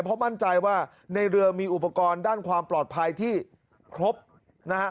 เพราะมั่นใจว่าในเรือมีอุปกรณ์ด้านความปลอดภัยที่ครบนะฮะ